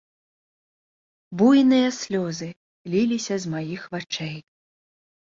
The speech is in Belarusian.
Буйныя слёзы ліліся з маіх вачэй.